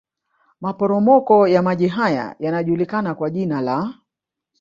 Maporomoko ya maji haya yanajulikana kwa jina la